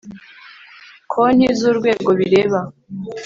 konti z urwego bireba